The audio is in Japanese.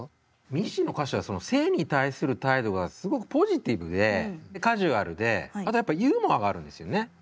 ミッシーの歌詞はその性に対する態度がすごくポジティブでカジュアルであとやっぱユーモアがあるんですよね。